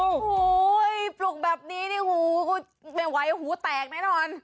โอ้โหปลุกแบบนี้นี่หูกูไม่ไหวหูแตกแน่นอน